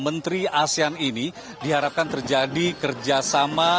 menteri asean ini diharapkan terjadi kerjasama